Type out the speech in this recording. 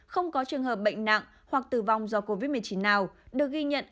không có trường hợp bệnh nặng hoặc tử vong do covid một mươi chín nào được ghi nhận